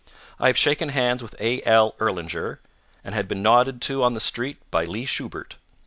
I have shaken hands with A. L. Erlanger and been nodded to on the street by Lee Shubert.